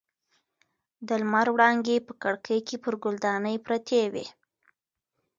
د لمر وړانګې په کړکۍ کې پر ګل دانۍ پرتې وې.